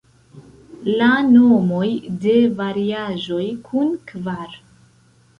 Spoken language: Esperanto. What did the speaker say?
La nomoj de variaĵoj kun kvar.